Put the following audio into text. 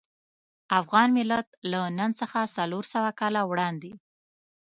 افغان ملت له نن څخه څلور سوه کاله وړاندې.